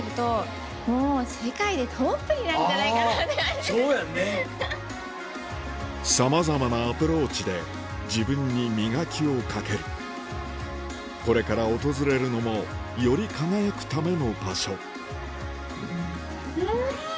あそうやんね。さまざまなアプローチで自分に磨きをかけるこれから訪れるのもより輝くための場所